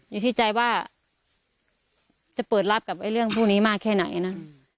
อยู่ที่ใจว่าจะเปิดรับกับเรื่องพวกนี้มากแค่ไหนนะ